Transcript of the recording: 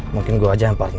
mungkin gua aja yang parno